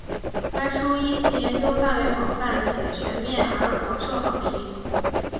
该书因其研究范围广泛且全面而广受好评。